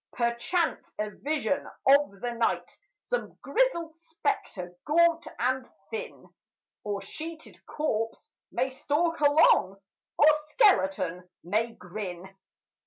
Perchance a vision of the night, Some grizzled spectre, gaunt and thin, Or sheeted corpse, may stalk along, Or skeleton may grin.